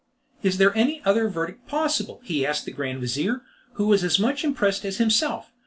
"Is there any other verdict possible?" he asked the grand vizir, who was as much impressed as himself.